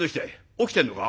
おきてんのか？